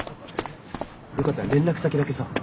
よかったら連絡先だけさ。